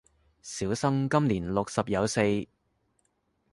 小生今年六十有四